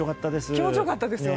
気持ち良かったです。